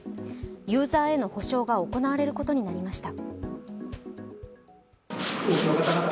ユーザーへの補償が行われることになりました